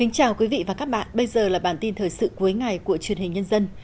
chào các bạn bây giờ là bản tin thời sự cuối ngày của truyền hình nhân dân